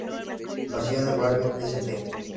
Nació en el barrio de St.